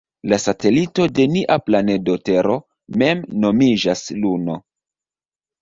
La satelito de nia planedo Tero mem nomiĝas Luno.